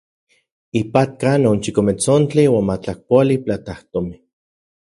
Ipatka non chikometsontli uan matlakpoali platajtomin.